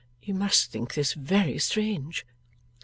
You must think this very strange?